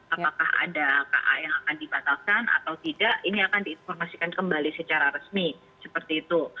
apakah ada ka yang akan dibatalkan atau tidak ini akan diinformasikan kembali secara resmi seperti itu